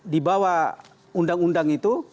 di bawah undang undang itu